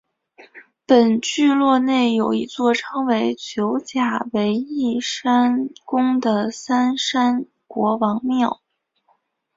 本聚落内有一座称为九甲围义山宫的三山国王庙。